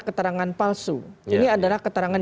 keterangan palsu ini adalah keterangan